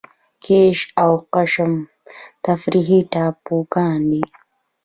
کیش او قشم تفریحي ټاپوګان دي.